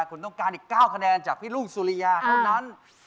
คุณต้องการอีก๙คะแนนจากพี่ลูกสุริยาเท่านั้น